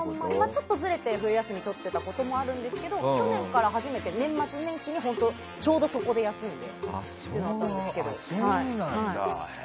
ちょっとずれて冬休み取ってたこともあるんですけど去年から初めて年末年始にちょうどそこで休めたんですけど。